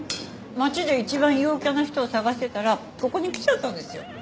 街で一番陽キャな人を探してたらここに来ちゃったんですよ。